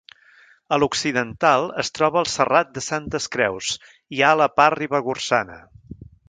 A l'occidental, es troba el Serrat de Santes Creus, ja a la part ribagorçana.